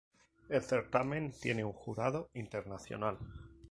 El Certamen tiene un jurado internacional.